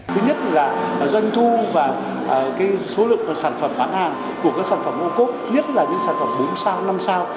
thứ nhất là doanh thu và số lượng sản phẩm bán hàng của các sản phẩm ô cốp nhất là những sản phẩm bốn sao năm sao